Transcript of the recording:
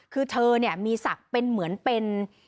คือเธอเนี่ยมีศักดิ์เป็นเหมือนเป็น